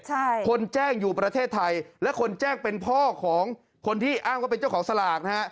ใช่คนแจ้งอยู่ประเทศไทยและคนแจ้งเป็นพ่อของคนที่อ้างว่าเป็นเจ้าของสลากนะฮะ